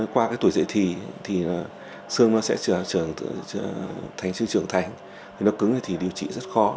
qua tuổi dễ thị thì xương nó sẽ trở thành trường thành nó cứng thì điều trị rất khó